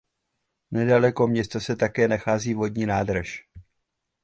Nedaleko města se také nachází vodní nádrž.